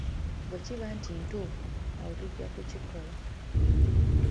Bwe kiba nti ntuufu awo tujja kukikola.